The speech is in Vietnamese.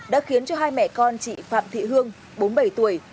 đã khiến cho hai mẹ con chị phạm thị hương bốn mươi bảy tuổi